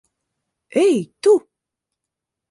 Ei, tu!